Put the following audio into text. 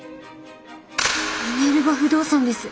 ミネルヴァ不動産です！